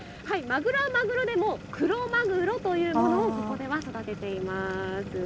マグロはマグロでもクロマグロというものをここでは育てています。